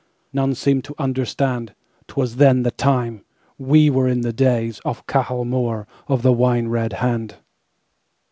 None seemed to understand'Twas then the time, We were in the days, Of Cahal Mór of the Wine red Hand.